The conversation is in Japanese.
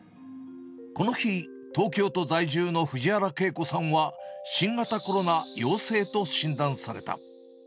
この日、東京都在住の藤原慶子さんは新型コロナ陽性と診断された。